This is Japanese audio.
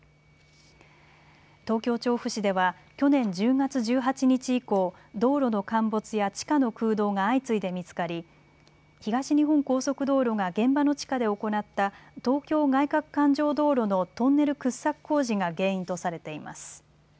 東京調布市では去年１０月１８日以降、道路の陥没や地下の空洞が相次いで見つかり東日本高速道路が現場の地下で行った東京外かく環状道路のトンネル掘削工事が原因とされています。